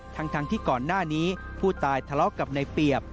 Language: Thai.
ทั้งที่ก่อนหน้านี้ผู้ตายทะเลาะกับในเปรียบ